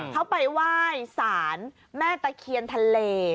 เขาไปไหว้สารแม่ตะเคียนทะเล